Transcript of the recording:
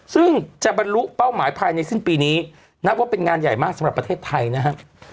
ซึ่งจะบรรลุเป้าหมายภายในสิ้นปีนี้นับว่าเป็นงานใหญ่มากสำหรับประเทศไทยนะครับ